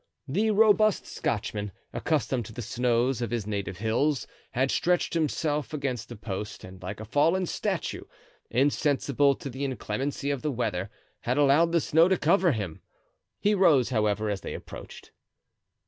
The robust Scotchman, accustomed to the snows of his native hills, had stretched himself against a post, and like a fallen statue, insensible to the inclemency of the weather, had allowed the snow to cover him. He rose, however, as they approached.